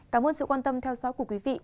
cảm ơn sự quan tâm theo dõi của quý vị